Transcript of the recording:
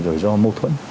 rồi do mâu thuẫn